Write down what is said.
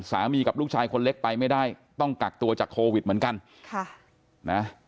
กับลูกชายคนเล็กไปไม่ได้ต้องกักตัวจากโควิดเหมือนกันค่ะนะ